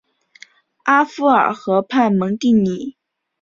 阿夫尔河畔蒙蒂尼。